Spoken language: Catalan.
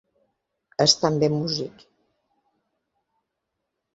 És també músic.